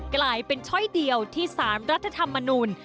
กลายเป็นช่อยเดียวที่สารรัฐธรรมนูล